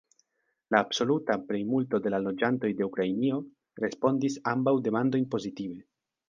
La absoluta plejmulto de la loĝantoj de Ukrainio respondis ambaŭ demandojn pozitive.